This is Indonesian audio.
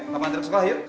papa ngantri ke sekolah yuk